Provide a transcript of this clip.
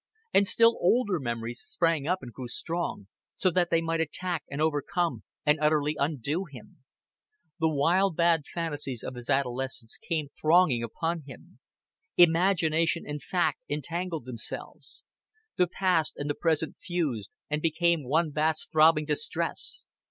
And still older memories sprang up and grew strong, so that they might attack and overcome and utterly undo him. The wild bad fancies of his adolescence came thronging upon him. Imagination and fact entangled themselves; the past and the present fused, and became one vast throbbing distress.